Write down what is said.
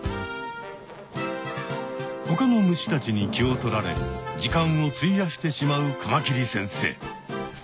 ほかの虫たちに気を取られ時間をついやしてしまうカマキリ先生。